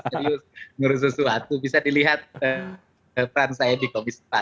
saya selalu serius menurut sesuatu bisa dilihat peran saya di komisi empat